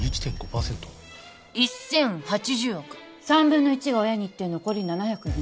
３分の１が親にいって残り７２０。